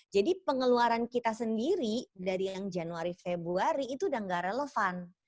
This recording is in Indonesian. jadi pengeluaran kita sendiri dari yang januari februari itu sudah tidak relevan